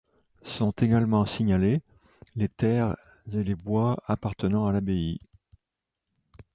Sont également signalés, les terres et les bois appartenant à l'abbaye.